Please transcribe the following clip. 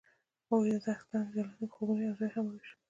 هغوی د دښته لاندې د راتلونکي خوبونه یوځای هم وویشل.